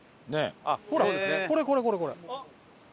これこれこれこれ。